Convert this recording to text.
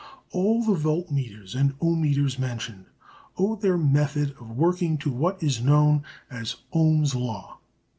All the voltmeters and ohmmeters mentioned owe their method of working to what is known as Ohm's law.